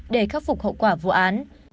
để khắc phục hậu quả vụ án